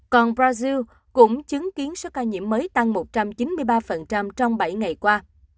còn brazil cũng chứng kiến số ca nhiễm mới tăng một trăm chín mươi ba trong bảy ngày qua